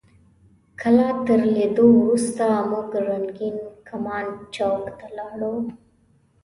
د کلا تر لیدو وروسته موږ رنګین کمان چوک ته لاړو.